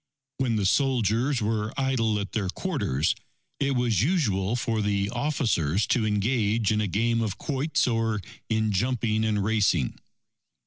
When the soldiers were idle at their quarters, it was usual for the officers to engage in a game of quoits or in jumping and racing.